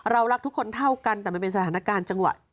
รักทุกคนเท่ากันแต่มันเป็นสถานการณ์จังหวะ